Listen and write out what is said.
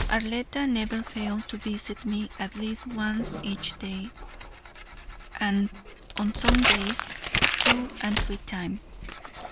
Arletta never failed to visit me at least once each day, and on some days, two and three times.